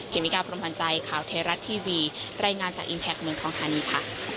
เมกาพรมพันธ์ใจข่าวเทราะทีวีรายงานจากอิมแพคเมืองทองทานีค่ะ